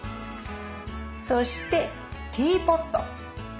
そしてティーポット。